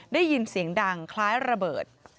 ได้ยินเสียงดังคล้ายระเบิด